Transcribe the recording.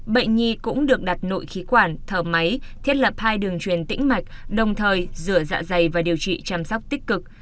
bệnh nhi cũng được đặt nội khí quản thở máy thiết lập hai đường truyền tĩnh mạch đồng thời rửa dạ dày và điều trị chăm sóc tích cực